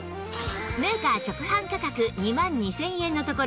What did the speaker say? メーカー直販価格２万２０００円のところ